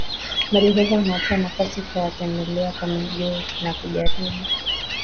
Madereva wanatoa nafasi kwa watembea kwa miguu na kujaribu